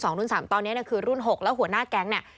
ตอนนี้เนี่ยคือรุ่น๖แล้วหัวหน้าแก๊งเนี่ย